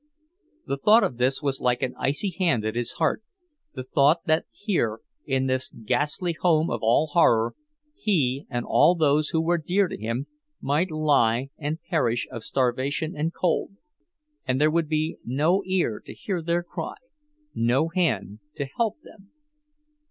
The thought of this was like an icy hand at his heart; the thought that here, in this ghastly home of all horror, he and all those who were dear to him might lie and perish of starvation and cold, and there would be no ear to hear their cry, no hand to help them!